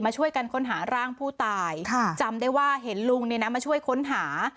ช่วยกันค้นหาร่างผู้ตายจำได้ว่าเห็นลุงเนี่ยนะมาช่วยค้นหา